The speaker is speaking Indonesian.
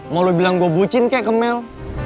mau lu bilang gua bucin kayak ke mel